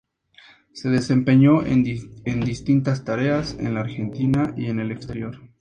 Se desempeñó en distintas tareas en la Argentina y en el exterior.